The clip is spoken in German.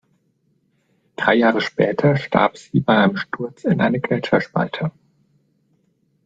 Drei Jahre später starb sie bei einem Sturz in eine Gletscherspalte.